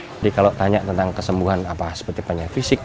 jadi kalau tanya tentang kesembuhan apa seperti penyakit fisik